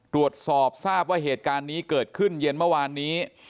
ตรวจสอบทราบว่าเหตุการณ์นี้เกิดขึ้นเย็นเมื่อวานนี้